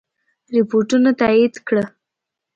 رپوټونو تایید کړه.